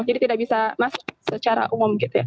jadi tidak bisa masuk secara umum